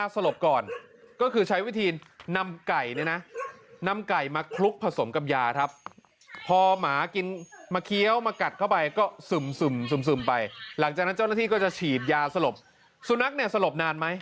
สุนัขเนี่ยสลบนานมั้ย